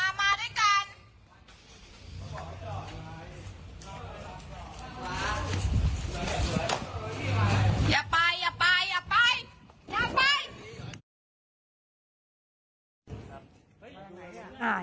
อย่าไปอย่าไปอย่าไปอย่าไป